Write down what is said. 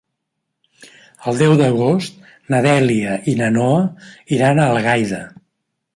El deu d'agost na Dèlia i na Noa iran a Algaida.